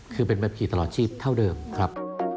คือเป็นบัญชีตลอดชีพเท่าเดิมครับ